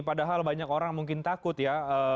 padahal banyak orang mungkin takut ya